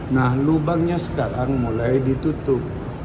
nah lubangnya sekarang mulai ditutup